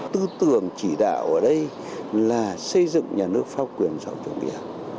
tư tưởng chỉ đạo ở đây là xây dựng nhà nước phao quyền dòng chủ nghĩa